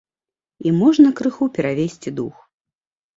І можна крыху перавесці дух.